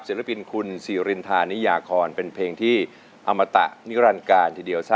ศิลปินคุณสิรินทานิยาคอนเป็นเพลงที่อมตะนิรันการทีเดียวซะ